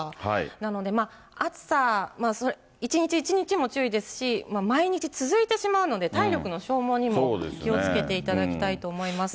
なので、暑さ、一日一日も注意ですし、毎日続いてしまうので、体力の消耗にも気をつけていただきたいと思います。